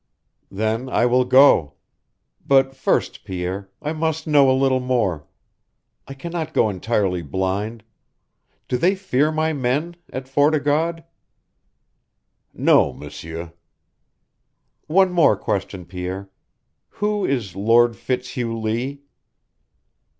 "Then I will go. But first, Pierre, I must know a little more. I cannot go entirely blind. Do they fear my men at Fort o' God?" "No, M'sieur." "One more question, Pierre. Who is Lord Fitzhugh Lee?"